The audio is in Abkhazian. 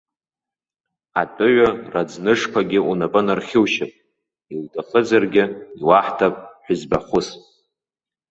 Атәыҩа раӡнышқәагьы унапы нархьушьып, иуҭахызаргьы иуаҳҭап ҳәызба хәыс.